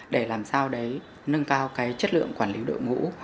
để làm sao đấy nâng cao cái chất lượng quản lý độ ngũ